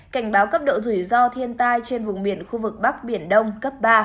cảnh báo cấp độ rủi ro thiên tai trên vùng biển khu vực bắc biển đông cấp ba